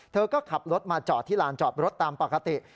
เธอก็ขับรถมาจอดที่ลานจอดรถตามปกติ